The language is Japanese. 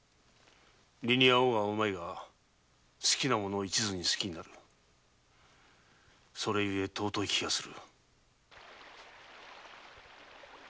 理に合おうが合うまいが好きなものを一途に好きになるそれゆえ尊い気がする。